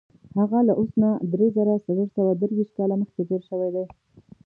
هغه له اوس نه دری زره څلور سوه درویشت کاله مخکې تېر شوی دی.